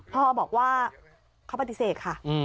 พ่อบอกว่าเขาปฏิเสธค่ะ